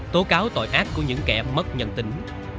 tố cáo tội ác của những kẻ mất nhân tính